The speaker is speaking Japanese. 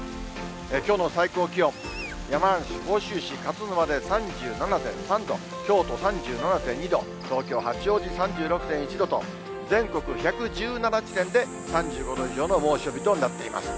きょうの最高気温、山梨・甲州市勝沼で３７．３度、京都３７．２度、東京・八王子３６．１度と、全国１１７地点で３５度以上の猛暑日となっています。